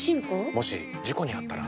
もし事故にあったら？